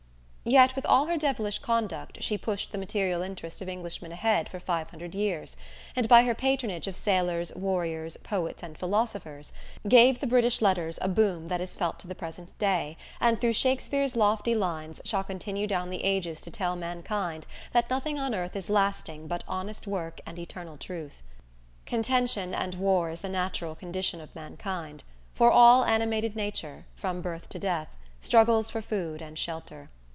Yet, with all her devilish conduct, she pushed the material interest of Englishmen ahead for five hundred years, and by her patronage of sailors, warriors, poets and philosophers, gave the British letters a boom that is felt to the present day, and through Shakspere's lofty lines, shall continue down the ages to tell mankind that nothing on earth is lasting but honest work and eternal truth. Contention and war is the natural condition of mankind; for all animated nature, from birth to death, struggles for food and shelter.